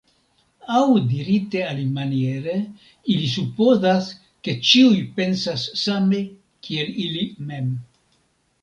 Aŭ dirite alimaniere, ili supozas, ke ĉiuj pensas same kiel ili mem.